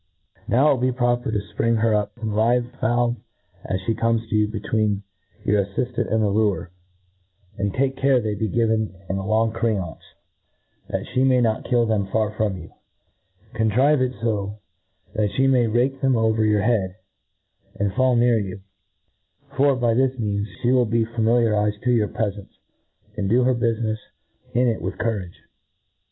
Now it will be proper to fpring her up fome live fowls as flic comes to you between your af^ fiftant and the lure j and taj^c care they be given in Modern faulconry. 185 in a long creancc^ that fhe may not kill them far from you. (Contrive it fo, that fhe may rake them over your head, and fall near you ; for^ by this means, fhe will be familiarjfed to your pre ? fence, and do her bufinefs in it with courage.